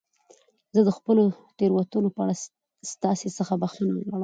زه د خپلو تېروتنو په اړه ستاسي څخه بخښنه غواړم.